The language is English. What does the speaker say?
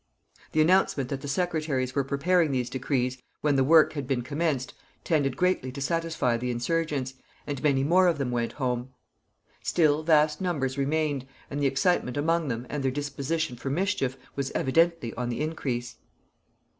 The announcement that the secretaries were preparing these decrees, when the work had been commenced, tended greatly to satisfy the insurgents, and many more of them went home. Still, vast numbers remained, and the excitement among them, and their disposition for mischief, was evidently on the increase.